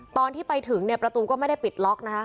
ตอนที่ไปถึงเนี่ยประตูก็ไม่ได้ปิดล็อกนะคะ